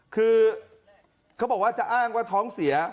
คือเขาบอกว่าจะอ้างว่าท้องเสีย